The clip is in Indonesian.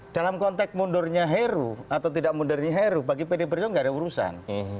dalam konteks mundurnya heru atau tidak mundurnya heru bagi pd perjuangan tidak ada urusan